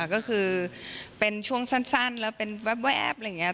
ก็คือเป็นช่วงสั้นแล้วเป็นแวบอะไรอย่างนี้